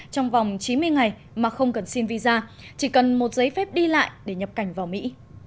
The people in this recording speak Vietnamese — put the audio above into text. trong vòng chín mươi ngày mà không cần xin visa chỉ cần một giấy phép đi lại để nhập cảnh vào mỹ